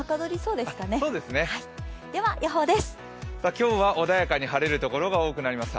では予報です。